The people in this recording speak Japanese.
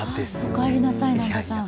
お帰りなさい、南波さん。